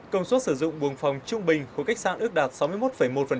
công suất sử dụng buồng phòng trung bình của khách sạn ước đạt sáu mươi một một